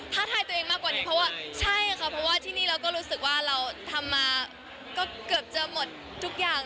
เพราะว่าใช่ค่ะเพราะว่าที่นี่เราก็รู้สึกว่าเราทำมาก็เกือบจะหมดทุกอย่าง